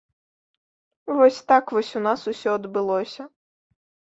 Вось так вось у нас усё адбылося.